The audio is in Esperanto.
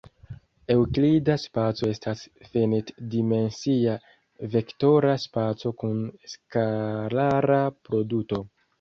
Eŭklida spaco estas finit-dimensia vektora spaco kun skalara produto.